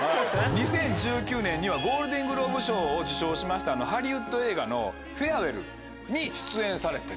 ２０１９年にはゴールデングローブ賞を受賞しましたハリウッド映画の『フェアウェル』に出演されて。